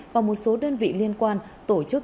và một số đơn vị liên quan tổ chức